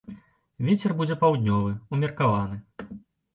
Вецер будзе паўднёвы, умеркаваны.